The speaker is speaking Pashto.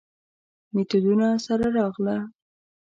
میتودونو سره راغله.